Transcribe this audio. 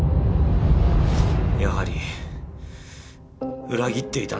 やはり裏切っていたんですね？